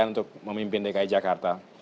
dan untuk memimpin dki jakarta